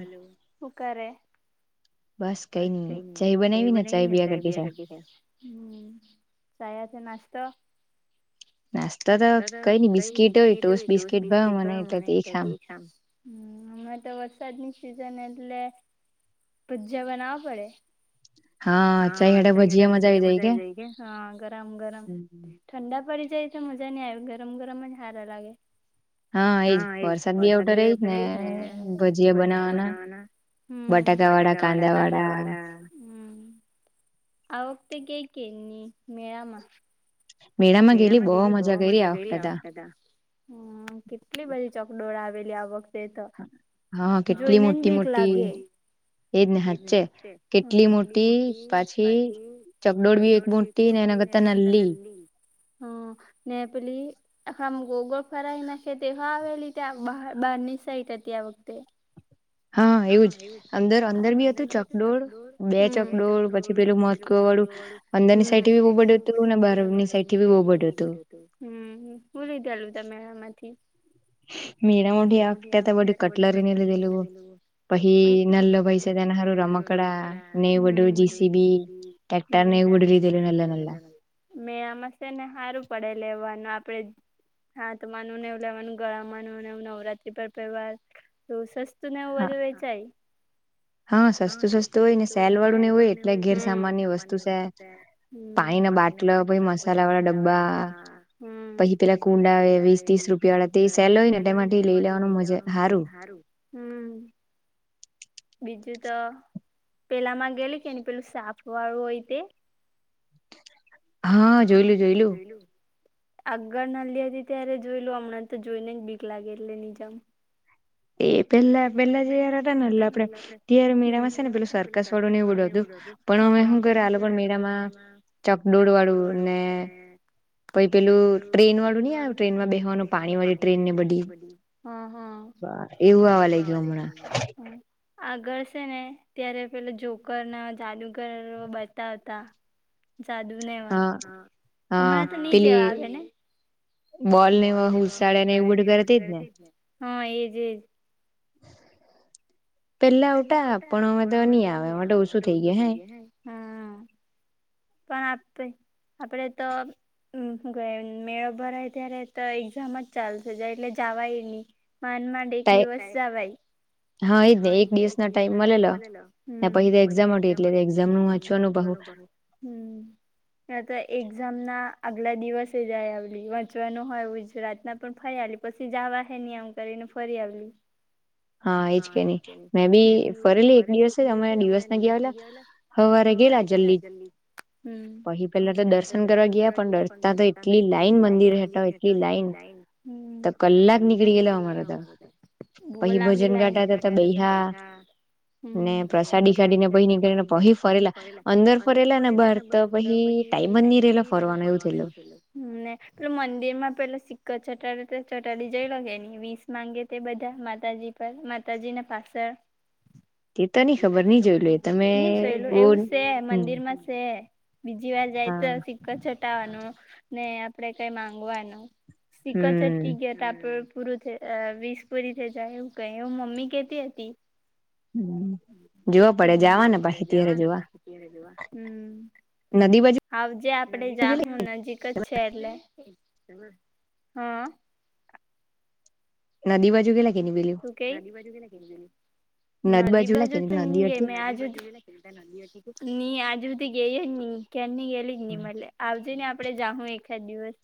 Hello હખારે. બસ. બસ કઈ ન ચાય બના ને ચાય બી થ નાસ્તો. નાસ્તા તો કઈ નઈ બિસ્કીટ હોય ટોસ બિસ્કીટ ભાવ મને એટલે તે ખામ હમ અમે તો વરસાદની સિઝન એટલે ભજ બનવ પડે. [inaudible] હા તાય વાળા ભજીયા મજા આવી જાય કે હા ગરમ ગરમ ઠંડા પડી જાય તો મજા નઈં આવે ગરમ ગરમ જ હારા લાગે. હા એજ વરસાદ બી આવતોો રહી જ ને. ભયા બનાવવાના બટાકા વાળા કાંદા વાળા. [inaudible] આ વખતે કે કેની મેળમાં મેળા માં ગેલી બઓ મજા કરી આ વખતે તો હમ્મ કેટલી બધી ચકડોળ આવેલી આ વખતે તો જોઈને બીક લાગે એજ હશે કેટલી મોટી પાછી ચકડોડ ભી એક મોટી ને એના કરતા નલ્લી. હ, ને પેલી હામ ગોળ-ગોળ ફરાઈ નાખે તેહો આવેલી ત્યાં બહા બારની સાઈટ હતી આ વખતે. હન, એવું જ અંદર-અંદર બી હતું, ચકડોળ બે ચકડોળ પછી પેલું મોત [unintelligible] અંદરની સાઈટે ભી બઉ બધુ હતું ને બારની સાઈટ ની સાઈટથી બઉ બધુ હતું. હમ, હુ લીધેલું તમે એમાંથી? મેળામાંથી આ વખ્તે તો બધું કટલરીને લીધેલું. પહી નલ્લો ભઈ સે તેના હારું રમકડા ને એવુ બડુ જીસીબી, ટેક્ટરને [unintelligible] મે આમાં સેને હારું પડે લેવાનું આપડે હાથ માનું ને લેવાનું ગળામાનું ને એવુ નવરાત્રી પર પેરવા. તો સસ તુ ને એવુ બધુ વેચાય. હા, સસ્તું સસ્તું હોય ને સેલવાળું ને હોય. હમ. કે સામાનની વસ્તુ છે. હમ. હન ઈના બાટલ લ પહી મસાલાવાળા ડબ્બા. હમ. પહી પેલા કુંડા વીસ-વીસ રૂપિયા વાળા જે છે ન [unintelligible] ને તેમાંથી લઈ લેવાનું મજા હારું. [inaudible] બીજું તો પેલામાં ગેલી કે ની પેલું સાફ વારુ હોય તે? હા, જોઈલું. જોઈલું. આગળ નલ્લી હતી ત્યારે જોઈલુ. હમણાં તો જોઈને જ બીક લાગે એટલે ની જાવ. એ પેલા પેલા જયાર હતા નલ્લા આપડે ત્યાર મેળામાં શેને પેલું સરકસ વાળું ને એ બધુ આવતું. [unintelligible] હન. પણ હવે હુ કરે આ લોકોન મેળામાં ચકડોળ વાળું ને પઈ પેલું ટ્રેનવાળુ ની આવ ટ્રેનમાં બેહવાનું પાણીવાળી ટ્રેનને બધી [unintelligible] એવું આવા લાઈગુ હમણાં. આગળ સેને ત્યારે પેલા જોકર ના જાદુગર બતાવતા. [inaudible] જાદુને એવા. હમણાં તો ની જવા દે ને. બોલ ને એવુ હુસાળે ને એવુ બધું કરે તે જ ને. હન, એજ એજ. [inaudible] પેલા આવટા પણ હવે ટો ની આવે. હવે ટો ઓછું થઈ ગયુ હે ને. હમ. પણ આપે આપડે તો હમ [unintelligible] મેળો ભરાય ત્યારે તો એક્ઝામ જ ચાલશે એટલે જાવાય ની. માન માંડ એક દિવસ જવાય. દિવસ ના ટાઈમમાં લે લ પહિ તો એક્ઝામ એટલે એક્ઝામ નું વાંચવાનું ભ [unintelligible] તો એક્ઝામ ના આગલા દિવસે જાય આવલી વાંચવાનું હોય ગુજરાત ના પણ ફર્યાલી પસી જવા હે ની એમ કરીને ફરી આવલિ હા એજ કે ની મે બી ફરેલી એક દિવસે અમે દિવસ ગયાલા હવારે ગયલા જલ્દી પહી પહેલા તો દર્શન કરવા ગ્યા પણ ત્યા તો એટલી લાઈન મંદિરે હેડતા હોય એટલી લાઈન તો કલાક નીકળી ગયેલો અમારો તો પહી ભજન ઘાટા હતા બ બેૈહા ને પ્રસાદી કાઢીને પછી નીકળીને પહિ ફરેલા અંદર ફરેલા ને બહાર તો પહિ હમ્મ ને પેલું મંદિરમાં પેલું ચોટાડી તો ચોટાડી જઈ લો કેે નહી વીસ માંગે તે બધા માતાજી પર માતાજીને પાસે છે. એ તો ની ખબર ની જોયલુ ની જોયેલું એવું છે મંદિરમાં છે. બીજી વાર જાય તો સિક્કો ચોટાવાનો ને આપડે કઈ માંગવાનું. શીખ છે ટી તપ [unintelligible] પૂરું થ અ વીસ પૂરી થઈ જાય એવું કે એવું મમ્મી કેતી હતી. હમ. હ જોવા પડે જાવાને પહી જોવા હમ. આવજે આપડે જાહું નજીક જ છે એટલે. હ. નદી બાજુ ગેલા નદી બાજુ [inaudible] [unintelligible] નદી બાજુ તો ની ગેય મે આજ સુધી [inaudible] ની આજ સુધી ગેય જ ની. ની ગયેલી જ નહી મલે આવજેને આપડે જાહું એકાદ દિવસ.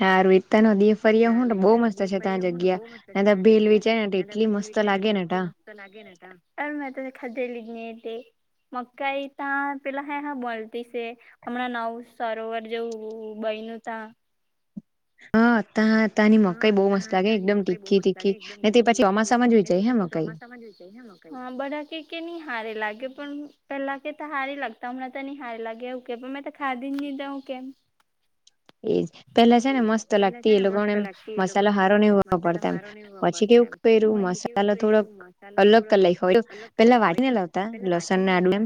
હારુ એ તાનો દેહ ફરી આવહું ને બહુ મસ્ત છે ત્યાં જગ્યા ત્યાં તો ભેલ વેચાયને એટલી મસ્ત લાગે ને તા લાગે ને તા અને મેં તો ખાધેલી જ ની તે. મકાઈ તા પેલા હે હો મલતી સે હમણા નવુ સરોવર જેવું બયનું તા. હા. ત્યાં તાની મકાઈ બહુ મસ્ત લાગે એકદમ તીખી તીખી ને તે પછી ચોમાસામાં જ વેચાય હે મકાઈ. હ બધા કેય કે ની હારી લાગે પણ પેલા કેતા હારી લાગતા હમણાં તો ની હારી લાગે એવું કે મેં ખાધી જ નહી તે હું કેમ. એજ પેલા છે ને મસ્ત લાગતી એ લોકો એમ મસાલો સારો ને એવો વાપડતા એમ પછી કેવું કર્યું મસાલા થોડોક અલગ કરી લાયખું પેલા વાટીને લાવતા લસણને આદુ એમ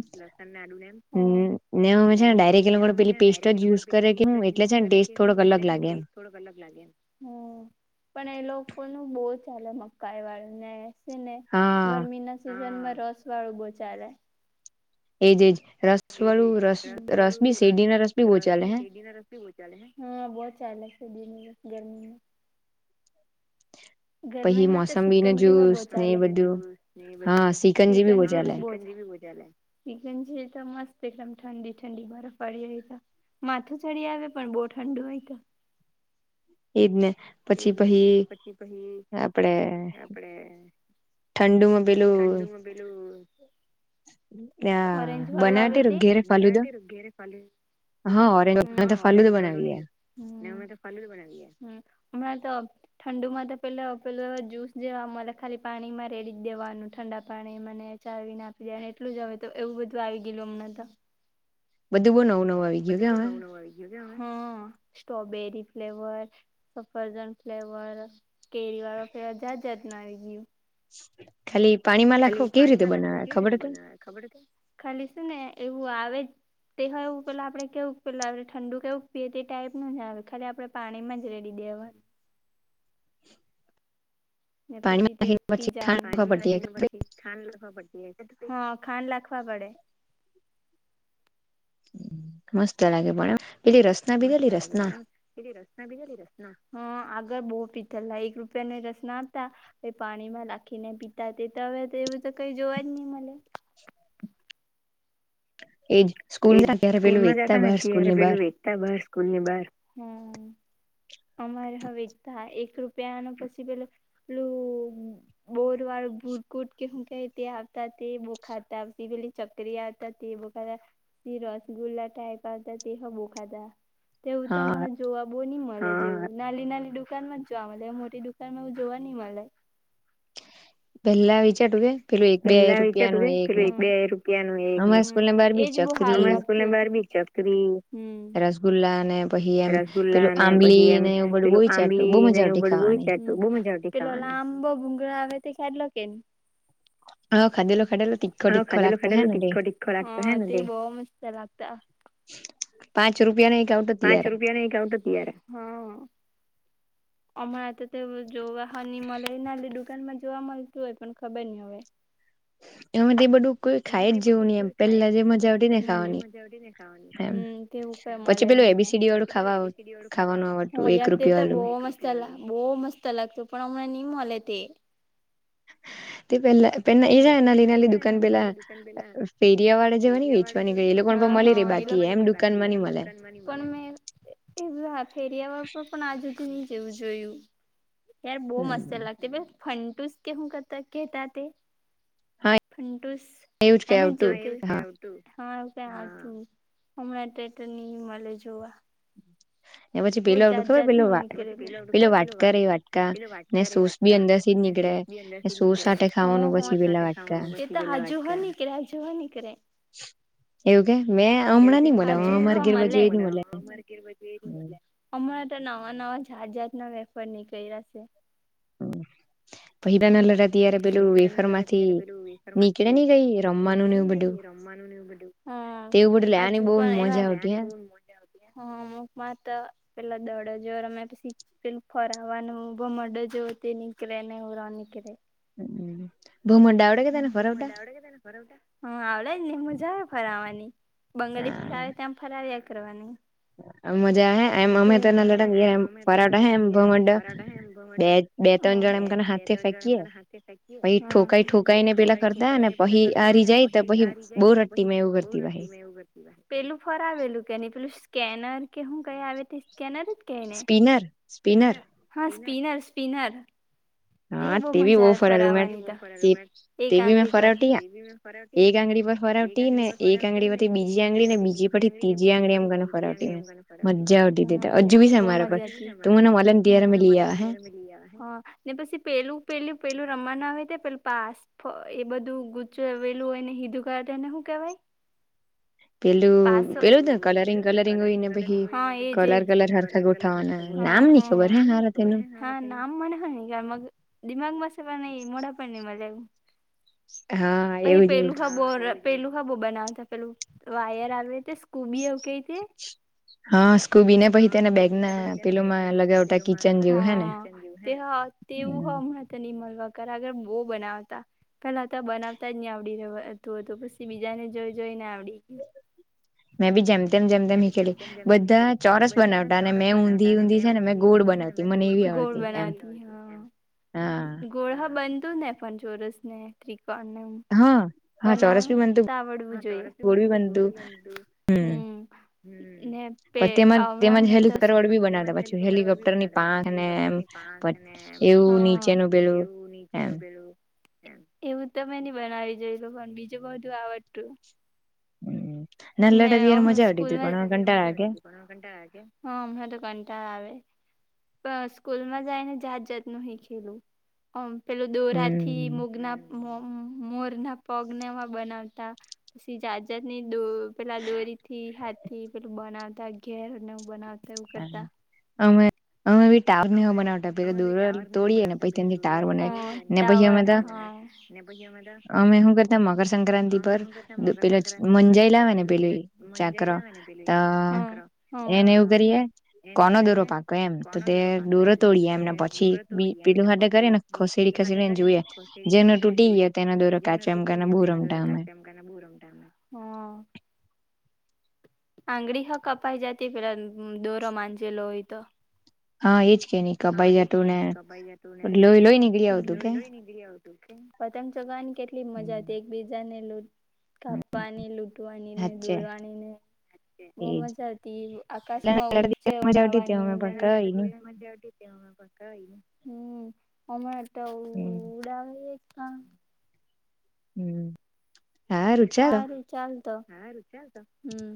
હ ને છે ડાયરેક્ટ એલો કો તો પેલી પેસ્ટ જ યુઝ કરે કે હું એટલે છે. કરે કે હું એટલે છેને ટેસ્ટ થોડોક અલગ લાગે એમ. હમ પણ એ લોકોનું બવ ચાલે મકાઈ વાળું ને છેને ગરમીના સિઝનમાં રસવાળું બો ચાલે. એજ એજ. એજ એજ રસવાળું રસ રસ શેરડીનો રસ બી બો ચાલે હે હ બો ચાલે. દી [inaudible] ગરમીમાં. ગરમીમાં તો સિકંજી હો બો ચાલે [inaudible] સિકંજી હો બો ચાલે. બી ચાલે સિકંજી તો મસ્ત એકદમ ઠંડી ઠંડી બરફ વાડી હોય તો. માથું ચડી આવે પણ બહુ ઠંડુ હોય તો. એજને. એજને પછી પછી આપડે ઠંડુમાં પેલું ઓરેન્જ વાળું આવે તે બનાવે તે હ ઓરેન્જ વાળું નહી ને અમે તો ફાલુદો બનાવીએ. હમણાં તો ઠંડુમાં તો પેલા પેલું જ્યુસ જેવા માલે ખાલી પાણીમાં રેડી દેવાનું ઠંડા પાણીમાંને ચારવીને આપી દેવાનું એટલું જ હવે તો એવું બધું આવી ગયલું અમને તો. બધું બો નવું નવું બધું બો નવું નવું આવી ગયું નય હવે હ. સ્ટ્રોબેરી ફ્લેવર સફરજન ફ્લેવર કેરીવાળો ફ્લેવર જાત જાત નું આવી ગયું. ખાલી પાણીમાં નાખો કેવી રીતે બનાવે ખબર કે ખાલી છેને એવું આવે જ તે હા એવું પેલા આપડે કેવું પેલા આપણે ઠંડુ કેવું પીએ તે ટાઈપું જ આવે ખાલી આપણે પાણીમાં જ રેડી દે કેવા [inaudible] [inaudible] પછી તે પી જવાનું પાણી માં નાખી ને પછી ખાંડ નાખવી ખાંડ લાખવા પડે મસ્ત લાગે પણ હા મસ્ત લાગે પણ હા પેલી રસના પીધેલી રસના આગળ બહુ પીતાલા એક રૂપિયા રસના આપતા એ પાણીમાં નાખીને પીતા તે તો હવે તો કઈ જોવા જ નહી મને. એ જ સ્કૂલ માં જ્યાં હતાને ત્યારે પેલું વેચતા બાર સ્કૂલ ની બહાર હમ અમારે હવે ત એક રૂપ રૂપિયા નું પછી પેલ પેલું બોર વાળું ભૂટ ગુટ કે શું કે તે આવતા તે બુખાતા પેલી ચકરીિયા હતા તે બુવ ખાતા રસગુલ્લા ટાઈપ‌ આવતા તે હોવ બોવ ખાધા તેવું તો અમના જોવા બો નહી મ નાલી નાલી દુકાન માં જ જોવા મળ મોટી દુકાન માં હજોવા નઈ મળે. પેલા વિચારતું કે પેલું એક બે રૂપિયા ન એક એજ બ અમાર સ્કૂલ ની બાર બી ચકરી, રસગુલ્લા ને પછી એમ પેલું આંબલી ને એવુ બધું બવ વેચાતું બહુ મજા આવતી ખ આંબો ભૂગળા આવે તે ખાદલો કે નઈ? હા ખાધેલો હ ખાધેલો ખાધેલો તીખો તીખો લાગતો હે ને તે? હા એ બોવ મસ્ત લાગતા. પાંચ રૂપિયા ન એક આવતું ત્યારે. [inaudible] અમણા તે જોવા હોવ નય મલે નાની દૂકાન મા જોવા મળતું હોય પણ ખબર નય હવે. [inaudible] એમે તો બધું કોઈ ખાઈ જ જેવું નહી એમ પેલા જે મજા આવતી ને ખાવાની એમ એવું કઈ મળે ન હમણાં પછે ખ હ યાર તે તો બ મસ્ત બહુ મસ્ત લાગતો પણ હમણાં નહી મલે તે. તે પેલા પેલા એ જાયના લ નાલી દુકાન પેલા ફેરિયા વાળા જવાની વેચવાની ગઈ એ લોકો ફેરિયા પણ આજુ [unintelligible] કેવું જોયું યાર બહ મસ્ત લાગતી ફટુસ કે હું કરતા કેતા તે ફટુસ એને જોયું હ એું ક હતું હમણાં તો નહી મળે જોવા.. પછી પેલો આવતો ખબર પે પેલો વાટકા રે વાટકા અને સોસ બી અંદર થી નીકળે. બી અંદરથી જ નીકળે હહહ એતો હજુ હોય નીકળે હજુ હોય નીકળે એવું કે મેં હમણાં નઈ મળ્યા અમારી ઘેર બાજુ એ ન મળ્યા [inaudible] અમતા તો નવા નવા જાત જાત ના વેફર નીકઇડા છે. [inaudible] પેહલા ના લડાતીયરે પેલું વેફર માંથી નીકળે ની ગઈ રમાનું ને એવું બધું? આ આજુ હ ત પેલા દડજમે પછી પેલું ફરવાનું ભમડો જેવુ તે નીકળે ને હ અનકેતે હ આવડે ને [unintelligible] મજા આવે ફરાવાની, બંગલી ફરાવે તેમ ફરાવ્યા કરવાની. તું જાણે એમ તને [unintelligible] પરાઠા એમ ભમરડા બે ત્રણ જણ એમ હાથી [unintelligible] ઠોકાઈ ઠોકાઈને પેલા કરતા પાહિ માારી જાય તો પહિ બો [unintelligible] મે પેલું ફરાવેલું કે નહી પેલું સ્કેનર કે હું કઇ આવે તો સ્કેનર જ સ્પિનર, સ્પિનર. Spinner spinner. તે બહું મજા આવે ફરાવાની તો એક આંગળી પર. [unintelligible] ફરવટી ને એક આંગળી પરથી બીજી આંગળી, ને બીજી પરથી ત્રીજી આંગળી આમ ગ ફરવટી મે. મ બો મજા આવતી, હમ્મ હ ને પસી પેલું પેલું પેલું રમમાના આવેય તે પેલું પાસ ફ એ બધું ગુચ્ચવેલુ હો ને હિધૂ કર તેને હું કેવાય? પેલું પેલુંને કલરિંગ કલરિંગ હોય ને પહી કલર કલર હરખા ગોઠવાના હ હ હા નામ મને હો નહીં યા દિમાગમાં સે પણ ઈ મોડા પણ મલે પહી પેલુ હો બો ર પેલુ બ બનાવતા પેલું વાયર આવે સ્કૂબી આવ કઈ હ તે હા તેવું હો હમતા ની મલવા કલાકાર બો બનાવતા પેહલા બનાવતા જ ની આવડી રેહવાતું હતું પછી બીજા ને જોઈ જોઈને આવ મેં બી જેમ તેમ જેમ તેમ હિખેલી, બધા ચોરસ બનાવતા ને મેં ઊંધી ઊંધી છે ને મેં ગોળ બનાવતી મને એવી આવડ ગોળ બનવતી હ ગોળ હ બનતુ જ ને પણ ચોરસને ત્રિ કોણ ને એવું બનાવતા આવડવું જોઈયે. હમ્મ. હમ્મ. ને પે હમણા હમણા તો હ ને એ હ એવું નીચે નું પેલું એવું તમે ની બનાવી જોઈલુ પણ બીજું બધું આવડતું. હમ્મ, નાનલા હતા ત્યારે મજા આવ કુલમાં હ અવે તો કંટાળા આવે. પણ સ્કૂલમાં જાય ને જાત જાત નું હીખેલું અમ પેલું દોરા થી મુગના મુ મોર ના પગ ને એવા બનાવતા. પછી જાત જાત દો પેલા દોરીથી હાથથી પેલુ બનાવતા ઘેર ને એવું બના હ, અમે અમે બી ટાવર ને એવું બનાવતા પેરો દોરો તોડીએે ને પછી ટેન થી ટાવર બનાવી ને પછી અમે તો અમે હું કરતા મકરસક્રાંતિ પર પેલા મંજાય લાવેને પેલી હ હ. કરી કોનો દૂરો પાકો એમ તો તે ડોરો તોડીએ એમને પછી બી પેલું હાડ કરીને ને ખસેડી ખસેડીને જોઈએ, જેમને તૂટી જેનો તૂટી ગ્યો તેના દોરો કાચો એમ કરીન બો રમતા અમે [unintelligible] આંગળી હ કપાઈ જતી પેલા દોરો માંજેલો હોય તો હા એજ કે કપાઈ જા તુંને લોઈ નીકળી આવ તું કે પતંગ ચોગવાની કેટલી મજા હતી એકબીજા ને કાપવાની લૂટવાની ને દોડવાની ને બહુ મજા હતી આકાશમાં ઊચે ઉડવાની હમ્મ અમા ઉડાવે કા હમ્મ. સારું ચાલતો હાર ચાલ હમ્મ